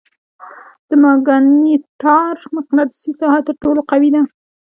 د ماګنیټار مقناطیسي ساحه تر ټولو قوي ده.